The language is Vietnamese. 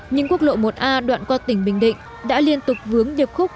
những quốc lộ một a đoạn qua tỉnh bình định đã liên tục vướng điệp khúc